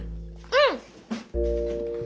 うん！